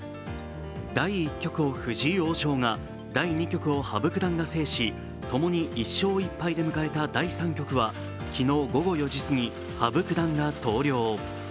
第１局を藤井王将が第２局を羽生九段制しともに１勝１敗で迎えた第３局は昨日午後４時すぎ、羽生九段が投了。